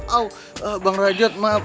au bang rajat maaf